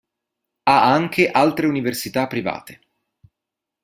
Ha anche altre università private.